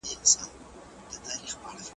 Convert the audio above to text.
د صحت قدر رنځور پېژني